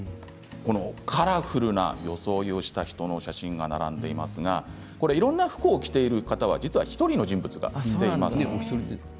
カラフルな装いをした人の写真が並んでいますがいろんな服を着ている方は実は１人の人物なんですね。